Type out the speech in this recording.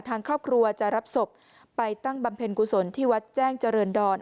ทางครอบครัวจะรับศพไปตั้งบำเพ็ญกุศลที่วัดแจ้งเจริญดร